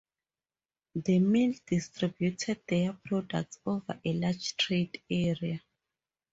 The mill distributed their products over a large trade area.